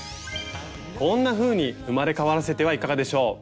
こんなふうに生まれ変わらせてはいかがでしょう？